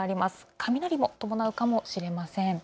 雷も伴うかもしれません。